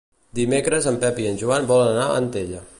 Dimecres en Pep i en Joan volen anar a Antella.